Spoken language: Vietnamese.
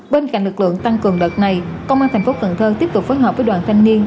bên cạnh lực lượng tăng cường đợt này công an thành phố cần thơ tiếp tục phối hợp với đoàn thanh niên